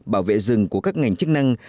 bảo vệ rừng của các ngành chức năng